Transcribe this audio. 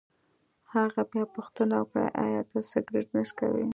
هغه بیا پوښتنه وکړه: ایا ته سګرېټ نه څکوې؟